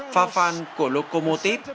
fafan của lokomotiv